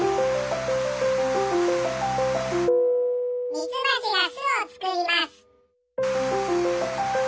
ミツバチがすをつくります。